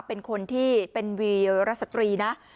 เป็นคนที่เป็นวีรสตรีนะ